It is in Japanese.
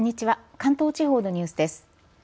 関東地方のニュースです。